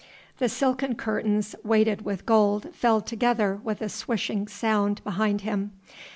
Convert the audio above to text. The silken curtains weighted with gold fell together with a swishing sound behind him.